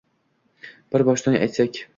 Bir boshdan aytsak